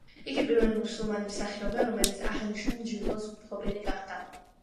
იგი პირველი მუსულმანი მსახიობია, რომელიც აღნიშნული ჯილდოს მფლობელი გახდა.